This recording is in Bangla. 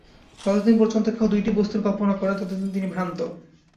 যতদিন পর্যন্ত কেহ দুইটি বস্তুর কল্পনা করেন, ততদিন তিনি ভ্রান্ত।